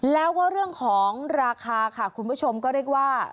แล้วก็เรื่องของราคาค่ะคุณผู้ชมก็เรียกว่า